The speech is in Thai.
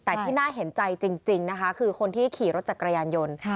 แต่ที่น่าเห็นใจจริงนะคะคือคนที่ขี่รถจักรยานยนต์